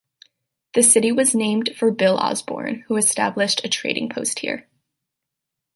The city was named for Bill Osborne, who established a trading post here.